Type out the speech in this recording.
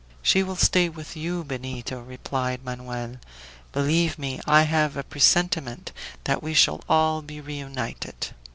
"She will stay with you, Benito," replied Manoel. "Believe me, I have a presentiment that we shall all be reunited!"